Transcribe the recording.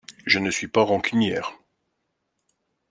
Je ne suis pas rancunière.